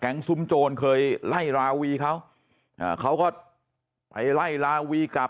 ซุ้มโจรเคยไล่ราวีเขาอ่าเขาก็ไปไล่ลาวีกลับ